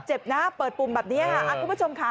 เจ็บนะเปิดปุ่มแบบนี้ค่ะคุณผู้ชมค่ะ